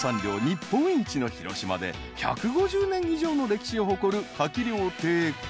日本一の広島で１５０年以上の歴史を誇る］